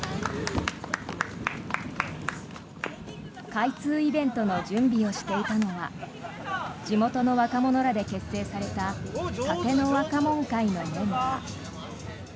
開通イベントの準備をしていたのは地元の若者らで結成された立野わかもん会のメンバー。